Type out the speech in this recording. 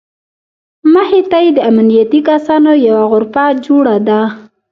مخې ته یې د امنیتي کسانو یوه غرفه جوړه ده.